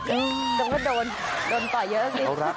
ต้องก็โดนโดนต่อยเยอะสิ